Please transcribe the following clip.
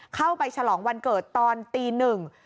เข้าไปฉลองวันเกิดตอนตีหนึ่ง